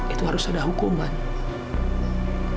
itu harus ada hukuman